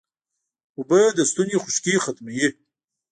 اوبه د ستوني خشکي ختموي